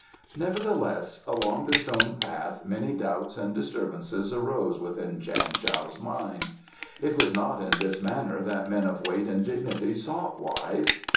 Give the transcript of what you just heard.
Nevertheless, along the Stone Path many doubts and disturbances arose within Chang Tao's mind. It was not in this manner that men of weight and dignity sought wives.